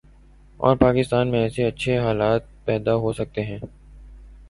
اور پاکستان میں ایسے اچھے حالات پیدا ہوسکتے ہیں ۔